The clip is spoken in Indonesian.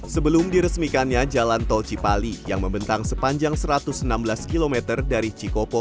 sebelum diresmikannya jalan tol cipali yang membentang sepanjang satu ratus enam belas km dari cikopo